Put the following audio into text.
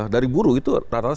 dari buruh itu rata rata